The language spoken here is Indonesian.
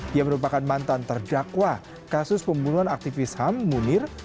dia merupakan mantan terdakwa kasus pembunuhan aktivis ham munir